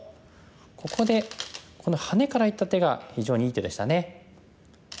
ここでこのハネからいった手が非常にいい手でしたね。